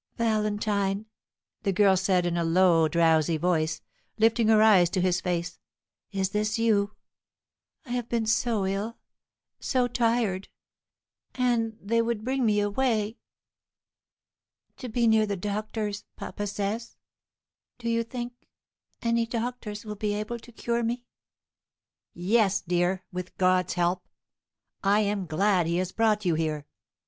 "Valentine!" the girl said, in a low drowsy voice, lifting her eyes to his face, "is this you? I have been so ill, so tired; and they would bring me away. To be near the doctors, papa says. Do you think any doctors will be able to cure me?" "Yes, dear, with God's help. I am glad he has brought you here.